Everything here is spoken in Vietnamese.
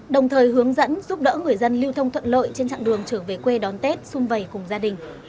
đồng thời hướng dẫn giúp đỡ người dân lưu thông thuận lợi trên trạng đường trở về quê đón tết xung vầy cùng gia đình